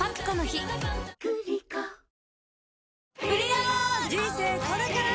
あぁ人生これから！